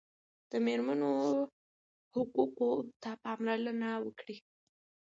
د مېرمنو حقوقو ته پاملرنه وکړئ.